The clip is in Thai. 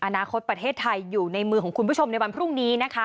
อนาคตประเทศไทยอยู่ในมือของคุณผู้ชมในวันพรุ่งนี้นะคะ